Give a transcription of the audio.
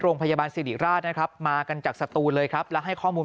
โรงพยาบาลสิริราชนะครับมากันจากสตูนเลยครับแล้วให้ข้อมูล